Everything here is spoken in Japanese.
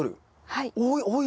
はい。